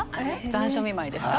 残暑見舞いですか？